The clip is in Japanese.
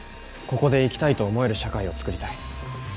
ここで生きたいと思える社会を作りたい。